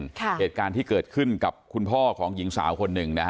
เหตุการณ์ที่เกิดขึ้นกับคุณพ่อของหญิงสาวคนหนึ่งนะฮะ